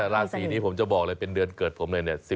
ราศีนี้ผมจะบอกเลยเป็นเดือนเกิดผมเลยเนี่ย